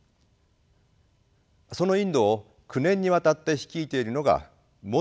そのインドを９年にわたって率いているのがモディ首相です。